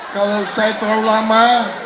kalau saya terlalu lama